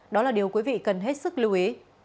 đó là điều quý vị cần hết sức lưu ý